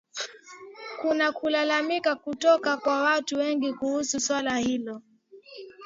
kuna kulalamika kutoka kwa watu wengi kuhusu swala hilo